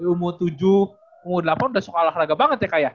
umur tujuh delapan udah suka olahraga banget ya kak ya